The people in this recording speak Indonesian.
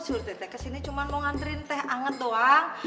suruh teteh kesini cuma mau ngantriin teh hangat doang